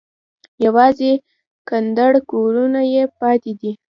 یوازې کنډر کورونه یې پاتې دي.